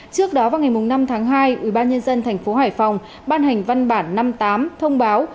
trước đó vào ngày năm tháng hai ubnd tp hcm ban hành văn bản năm mươi tám thông báo